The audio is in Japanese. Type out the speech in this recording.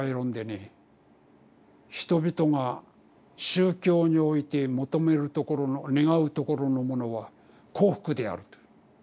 「人々が宗教において求めるところのねがうところのものは幸福である」と。